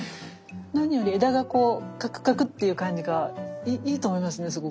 何より枝がこうカクカクっていう感じがいいと思いますね